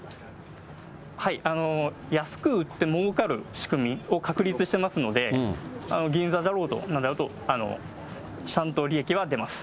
はい、安く売って儲かる仕組みを確立してますので、銀座だろうとなんだろうと、ちゃんと利益は出ます。